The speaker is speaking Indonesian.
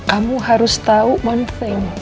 kamu harus tau one thing